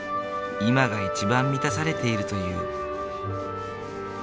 今が一番満たされていると言う。